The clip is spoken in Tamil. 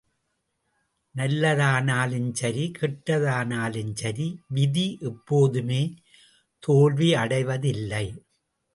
நல்லதானாலும் சரி கெட்டதானாலும் சரி, விதி எப்போதுமே தோல்வியடைவது இல்லை.